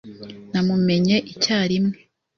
Namumenye icyarimwe.